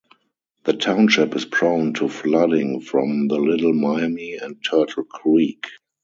The township is prone to flooding from the Little Miami and Turtle Creek.